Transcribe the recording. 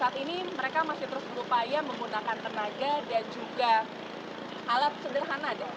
saat ini mereka masih terus berupaya menggunakan tenaga dan juga alat sederhana